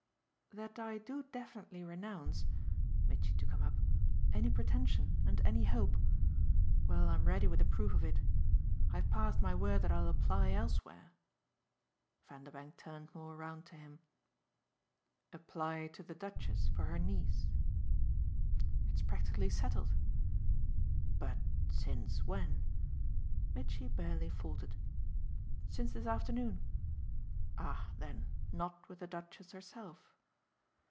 "That I do definitely renounce" Mitchy took him up "any pretension and any hope? Well, I'm ready with a proof of it. I've passed my word that I'll apply elsewhere." Vanderbank turned more round to him. "Apply to the Duchess for her niece?" "It's practically settled." "But since when?" Mitchy barely faltered. "Since this afternoon." "Ah then not with the Duchess herself."